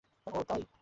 ও, তাই?